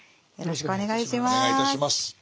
よろしくお願いします。